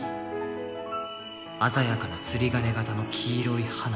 鮮やかな釣り鐘形の黄色い花。